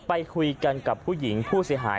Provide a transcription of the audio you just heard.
ไปคุยกันกับผู้หญิงผู้เสียหาย